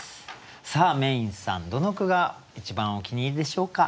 さあＭａｙ’ｎさんどの句が一番お気に入りでしょうか？